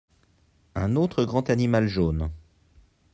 Un autre grand animal jaune.